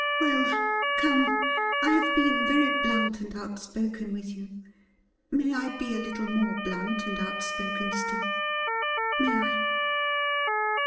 Well, come, I have been very blunt and outspoken with you ; may I be a little more blunt and outspoken still ? May I